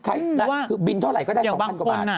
คือบินเท่าไหร่ก็ได้๒๐๐กว่าบาท